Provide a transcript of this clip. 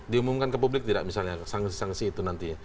diumumkan ke publik tidak misalnya sanksi sanksi itu nantinya